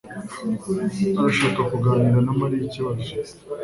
arashaka kuganira na Mariya ikibazo